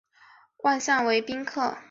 时称闲乐先生。